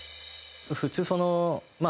普通そのまあ